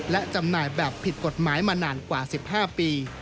และจำหน่ายแบบผิดกฎหมายมานานกว่า๑๕ปี